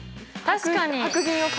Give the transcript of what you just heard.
確かに。